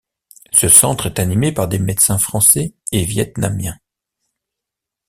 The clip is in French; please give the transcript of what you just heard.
Ce centre est animé par des médecins français et vietnamiens.